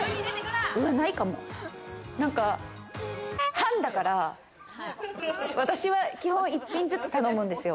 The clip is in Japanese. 半だから私は基本１品ずつ頼むんですよ。